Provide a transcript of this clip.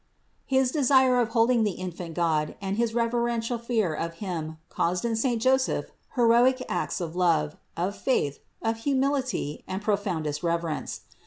506. His desire of holding the infant God and his reverential fear of Him caused in saint Joseph heroic acts of love, of faith, of humility and profoundest rev erence.